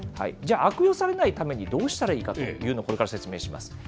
じゃあ、悪用されないためにどうしたらいいかというのを、これから説明します。